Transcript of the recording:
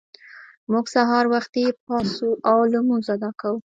موږ سهار وختي پاڅو او لمونځ ادا کوو